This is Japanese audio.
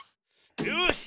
よし。